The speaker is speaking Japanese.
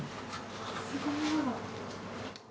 すごい。